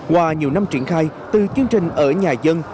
qua nhiều năm triển khai từ chương trình ở nhà dân